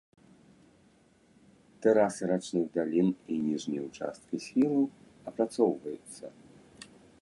Тэрасы рачных далін і ніжнія ўчасткі схілаў апрацоўваюцца.